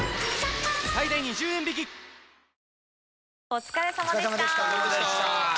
お疲れさまでした。